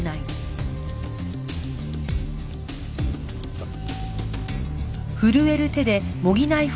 さあ。